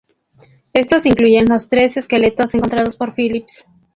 Estos incluyen los tres esqueletos encontrados por Phillips.